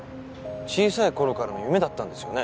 小さい頃からの夢だったんですよね？